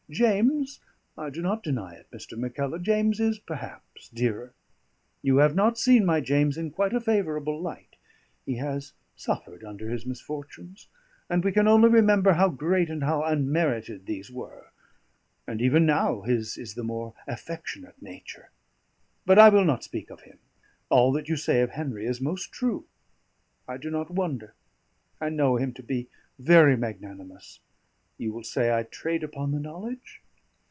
James (I do not deny it, Mr. Mackellar), James is perhaps dearer; you have not seen my James in quite a favourable light; he has suffered under his misfortunes; and we can only remember how great and how unmerited these were. And even now his is the more affectionate nature. But I will not speak of him. All that you say of Henry is most true; I do not wonder, I know him to be very magnanimous; you will say I trade upon the knowledge?